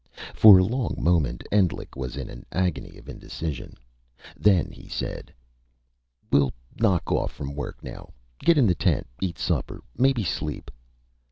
For a long moment, Endlich was in an agony of indecision. Then he said: "We'll knock off from work now get in the tent, eat supper, maybe sleep..."